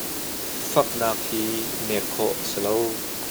Faknak hi i neek khawh a si lo.